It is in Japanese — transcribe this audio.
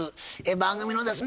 番組のですね